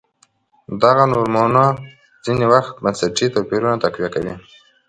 دغه نورمونه ځیني وخت بنسټي توپیرونه تقویه کوي.